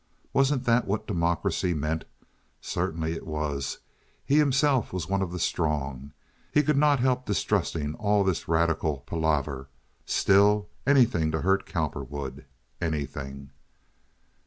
Wasn't that what democracy meant? Certainly it was—he himself was one of the strong. He could not help distrusting all this radical palaver. Still, anything to hurt Cowperwood—anything.